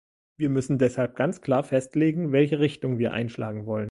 Wir müssen deshalb ganz klar festlegen, welche Richtung wir einschlagen wollen.